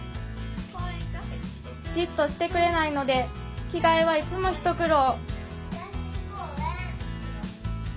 じっとしてくれないので着替えはいつも一苦労